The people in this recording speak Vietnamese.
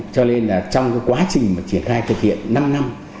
cho nên trong quá trình triển khai thực hiện năm năm